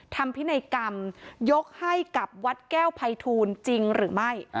ทำพินัยกรรมยกให้กับวัดแก้วภัยทูลจริงหรือไม่